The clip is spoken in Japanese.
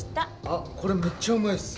あっこれめっちゃうまいっす。